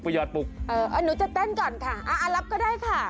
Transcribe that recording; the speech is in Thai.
หยอดปลุกเออหนูจะเต้นก่อนค่ะอ่ารับก็ได้ค่ะ